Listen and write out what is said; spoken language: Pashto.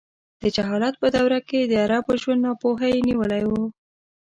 د جهالت په دوره کې د عربو ژوند ناپوهۍ نیولی و.